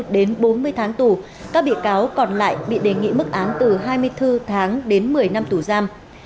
đến bốn mươi tháng tù các bị cáo còn lại bị đề nghị mức án từ hai mươi bốn tháng đến một mươi năm tù giam